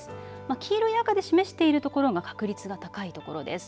黄色い赤で示しているところが確率が高いところです。